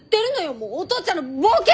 もうお父ちゃんのボケ！